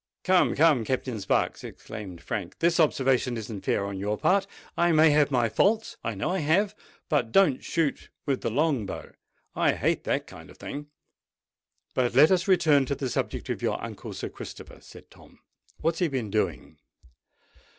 "Come—come, Captain Sparks," exclaimed Frank: "this observation isn't fair on your part. I may have my faults—I know I have; but I don't shoot with the long bow. I hate that kind of thing!" "But let us return to the subject of your uncle Sir Christopher," said Tom. "What has he been doing?"